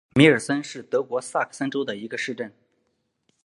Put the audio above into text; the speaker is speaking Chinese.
米尔森是德国萨克森州的一个市镇。